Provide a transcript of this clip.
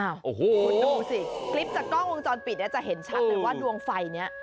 โอ้โหคุณดูสิคลิปจากกล้องวงจรปิดเนี่ยจะเห็นชัดเลยว่าดวงไฟนี้